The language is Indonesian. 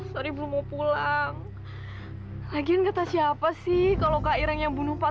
sorry belum mau pulang lagi ngetah siapa sih kalau kak iren yang bunuh pak